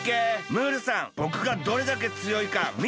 ムールさんぼくがどれだけつよいかみててください。